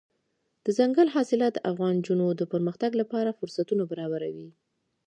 دځنګل حاصلات د افغان نجونو د پرمختګ لپاره فرصتونه برابروي.